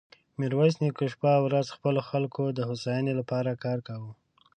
ميرويس نيکه شپه او ورځ د خپلو خلکو د هوساينې له پاره کار کاوه.